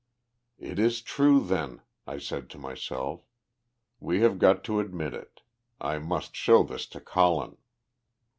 "It is true, then," I said to myself. "We have got to admit it. I must show this to Colin."